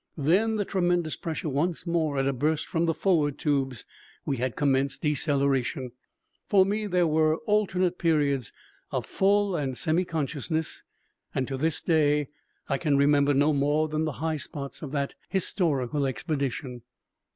Then the tremendous pressure once more at a burst from the forward tubes. We had commenced deceleration. For me there were alternate periods of full and semi consciousness and, to this day, I can remember no more than the high spots of that historical expedition.